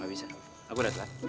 gak bisa aku udah telat